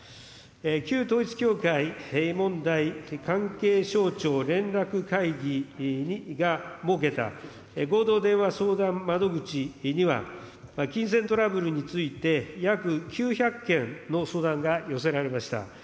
旧統一教会問題関係省庁連絡会議が設けた、合同電話相談窓口には、金銭トラブルについて約９００件の相談が寄せられました。